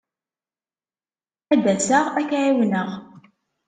Ad d-asaɣ ad k-ɛiwneɣ.